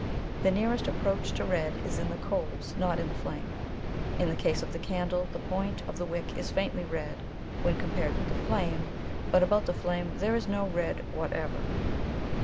The nearest approach to red is in the coals, not in the flame. In the case of the candle, the point of the wick is faintly red when compared with the flame, but about the flame there is no red whatever.